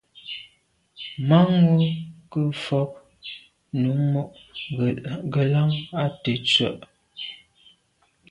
Manwù ke mfôg num mo’ ngelan à tèttswe’.